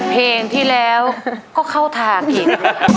เพลงที่แล้วก็เข้าทางอีก